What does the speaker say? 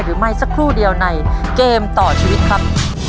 หรือไม่สักครู่เดียวในเกมต่อชีวิตครับ